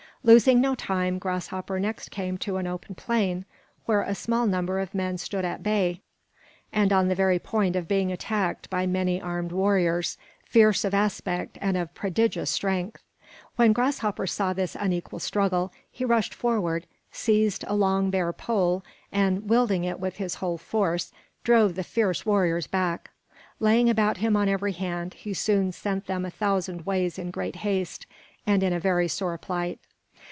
Losing no time, Grasshopper next came to an open plain where a small number of men stood at bay and on the very point of being attacked by many armed warriors, fierce of aspect and of prodigious strength. When Grasshopper saw this unequal struggle, he rushed forward, seized a long bare pole, and, wielding it with his whole force, drove the fierce warriors back. Laying about him on every hand, he soon sent them a thousand ways in great haste, and in a very sore plight.